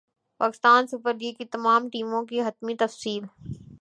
Pakistan super league کی تمام ٹیموں کی حتمی تفصیل